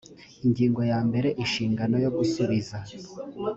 ingingo ya mbere inshingano yo gusubiza